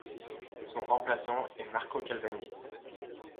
Son remplaçant est Marco Calvani.